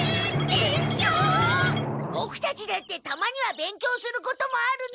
ボクたちだってたまには勉強することもあるの！